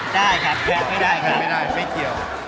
ได้ครับไม่ได้ครับไม่เกี่ยว